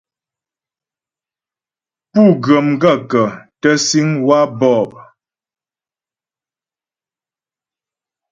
Pú ghə́ m gaə̂kə́ tə síŋ waə̂ bɔ̂p ?